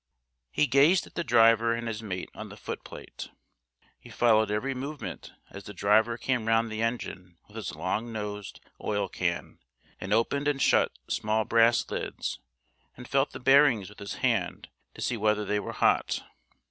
He gazed at the driver and his mate on the footplate. He followed every movement as the driver came round the engine with his long nosed oil can, and opened and shut small brass lids and felt the bearings with his hand to see whether they were hot.